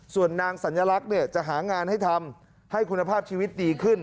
ส่วนนางสัญลักษณ์จะหางานให้ทำให้คุณภาพชีวิตดีขึ้น